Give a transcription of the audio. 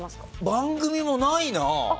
番組もないな。